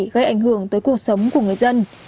gây ảnh hưởng tới cuộc sống của người dân